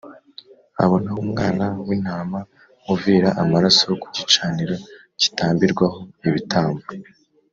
Abona umwana w’intama uvira amaraso ku gicaniro gitambirwaho ibitambo